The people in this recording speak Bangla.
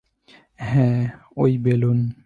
হাঁ, ঐ বেলুন।